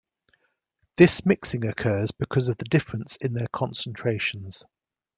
This mixing occurs because of the difference in their concentrations.